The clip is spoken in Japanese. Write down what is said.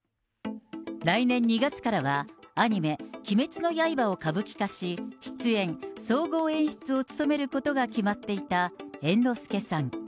来年２月からは、アニメ、鬼滅の刃を歌舞伎化し、出演、総合演出を務めることが決まっていた猿之助さん。